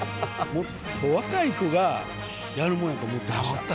もっと若い子がやるもんやと思ってました